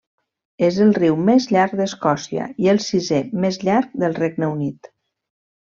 És el riu més llarg d'Escòcia i el sisè més llarg del Regne Unit.